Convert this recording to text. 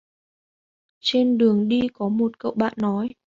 Trên đường đi có một cậu bạn nói